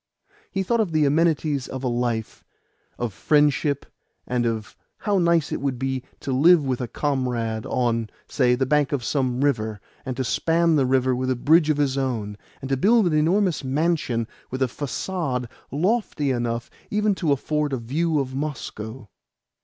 He thought of the amenities of a life, of friendship, and of how nice it would be to live with a comrade on, say, the bank of some river, and to span the river with a bridge of his own, and to build an enormous mansion with a facade lofty enough even to afford a view to Moscow.